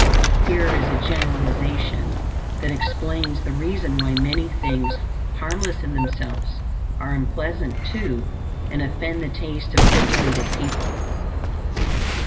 Here is a generalization that explains the reason why many things, harmless in themselves are unpleasant to and offend the taste of cultivated people.